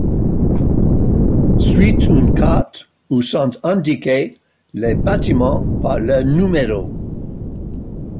Suit une carte où sont indiqués les bâtiments par leur numéro.